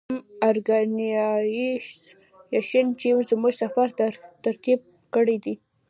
کوم ارګنایزیشن چې زموږ سفر ترتیب کړی دی.